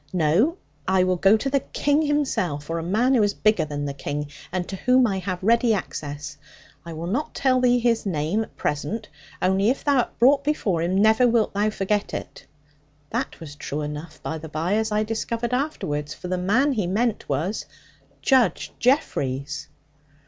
No, I will go to the King himself, or a man who is bigger than the King, and to whom I have ready access. I will not tell thee his name at present, only if thou art brought before him, never wilt thou forget it.' That was true enough, by the bye, as I discovered afterwards, for the man he meant was Judge Jeffreys.